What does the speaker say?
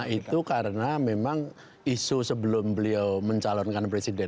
itu karena memang isu sebelum beliau mencalonkan presiden